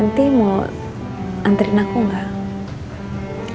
panti mau anterin aku enggak